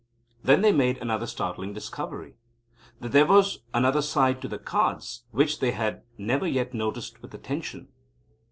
Then they made another startling discovery, that there was another side to the Cards which they had never yet noticed with attention.